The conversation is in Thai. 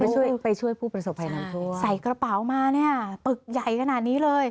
ใส่กระเป๋ามาปึกใหญ่ขนาดนี้เลยไปช่วยผู้ประสบภัยน้ำทวด